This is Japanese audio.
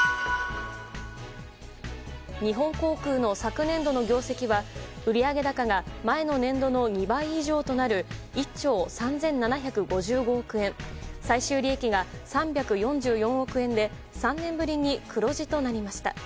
日本航空の昨年度の業績は売上高が前の年度の２倍以上となる１兆３７５５億円最終利益が３４４億円で３年ぶりに黒字となりました。